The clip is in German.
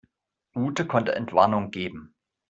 Ute konnte Entwarnung geben.